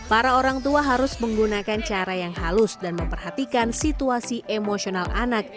para orang tua harus menggunakan cara yang halus dan memperhatikan situasi emosional anak